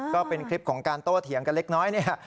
ก็เป็นคลิปของการโต้เถียงกันเล็กน้อยเนี่ย